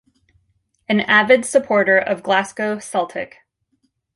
An avid supporter of Glasgow Celtic.